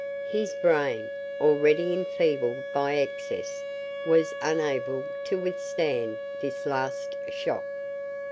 His brain, already enfeebled by excess, was unable to withstand this last shock.